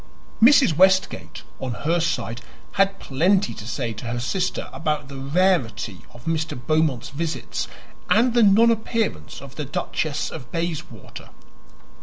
Mrs. Westgate, on her side, had plenty to say to her sister about the rarity of Mr. Beaumont's visits and the nonappearance of the Duchess of Bayswater.